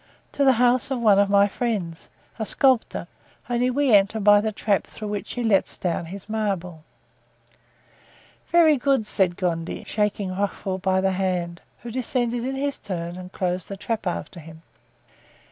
"To the house of one of my friends, a sculptor, only we enter by the trap through which he lets down his marble." "Very good," said Gondy, shaking Rochefort by the hand, who descended in his turn and closed the trap after him.